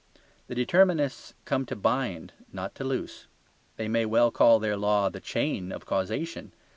The determinists come to bind, not to loose. They may well call their law the "chain" of causation.